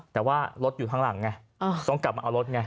แต่ว่ารถอยู่ข้างหลังไงต้องกลับมาเอารถไง